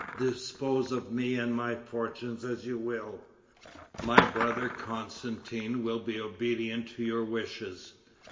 "Dispose of me and my fortunes as you will. My brother Constantin will be obedient to your wishes."